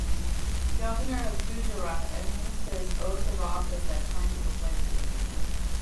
Governor of Gujarat administers oath of office at time of appointment.